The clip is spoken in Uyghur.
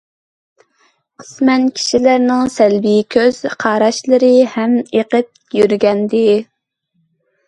قىسمەن كىشىلەرنىڭ سەلبىي كۆز قاراشلىرى ھەم ئېقىپ يۈرگەنىدى.